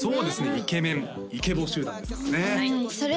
イケメンイケボ集団ですもんね